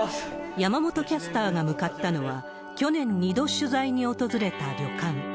山本キャスターが向かったのは、去年２度取材に訪れた旅館。